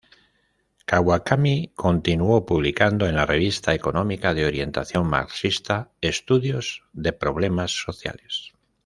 Kawakami continuó publicando en la revista económica de orientación marxista "Estudios de Problemas Sociales".